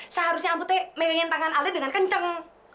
seharusnya ambu melepaskan tangan alatnya dengan kencang